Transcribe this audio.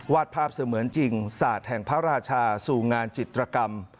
ภาพเสมือนจริงศาสตร์แห่งพระราชาสู่งานจิตรกรรม